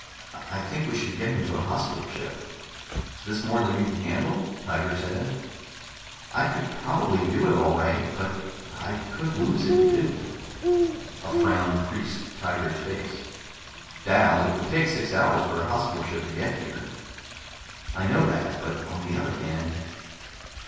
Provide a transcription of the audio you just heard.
I think we should get him to a hospital ship." "Is it more than you can handle?" Tiger said. "I could probably do it all right but I could lose him, too." A frown creased Tiger's face. "Dal, it would take six hours for a hospital ship to get here." "I know that. But on the other hand...."